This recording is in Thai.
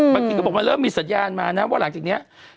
เมื่อกี้เขาบอกว่าเริ่มมีสัญญาณมานะว่าหลังจากนี้